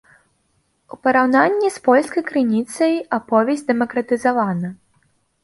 У параўнанні з польскай крыніцай аповесць дэмакратызавана.